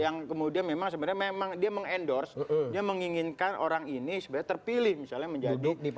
yang kemudian memang sebenarnya memang dia mengendorse dia menginginkan orang ini sebenarnya terpilih misalnya menjadi